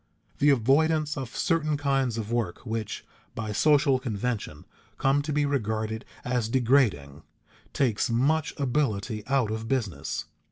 The avoidance of certain kinds of work which, by social convention, come to be regarded as degrading, takes much ability out of business.